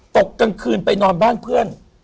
ตกกลางคืนไปนอนบ้านเพื่อน